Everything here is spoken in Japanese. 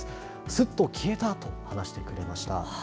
すっと消えたと話してくれました。